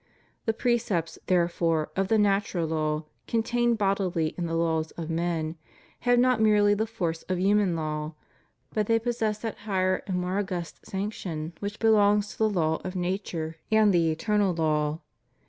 The precepts, therefore, of the natural law, con tained bodily in the laws of men, have not merely the force of human law, but they possess that higher and more august sanction which belongs to the law of nature and the eternal law.